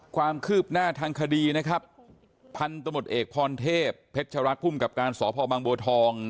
ความคืบหน้าทางคดีนะครับพัทนตระหมดเอกพรเทพพรรคภูมิก่าศพลบังโบทอง